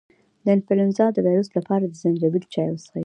د انفلونزا د ویروس لپاره د زنجبیل چای وڅښئ